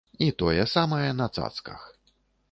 І тое самае на цацках.